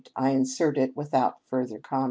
I insert it without further comment.